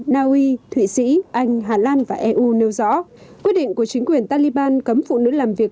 naui thụy sĩ anh hà lan và eu nêu rõ quyết định của chính quyền taliban cấm phụ nữ làm việc